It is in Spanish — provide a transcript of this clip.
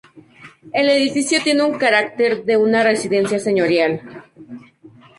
El edificio tiene un carácter de una residencia señorial.